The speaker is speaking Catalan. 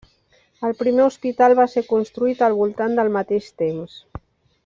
El primer hospital va ser construït al voltant del mateix temps.